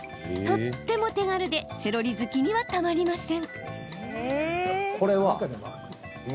とっても手軽でセロリ好きには、たまりません。